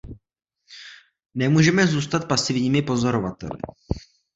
Nemůžeme zůstat pasivními pozorovateli.